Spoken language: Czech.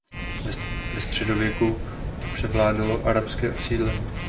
Ve středověku tu převládalo arabské osídlení.